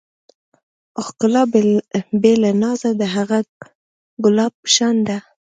ښکلا بې له نازه د هغه ګلاب په شان ده.